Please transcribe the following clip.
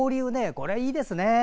これはいいですね。